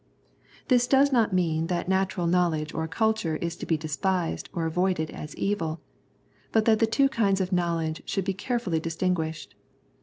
This does not mean that natural 97 The Prayers of St. Paul knowledge or culture is to be despised or avoided as evil, but that the two kinds of knowledge should be carefully distinguished.